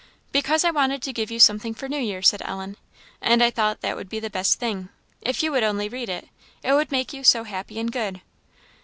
"Because I wanted to give you something for New Year," said Ellen "and I thought that would be the best thing if you would only read it it would make you so happy and good."